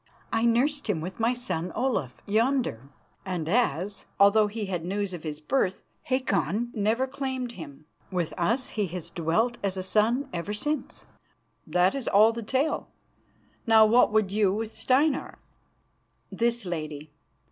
I nursed him with my son Olaf yonder, and as, although he had news of his birth, Hakon never claimed him, with us he has dwelt as a son ever since. That is all the tale. Now what would you with Steinar?" "This, Lady.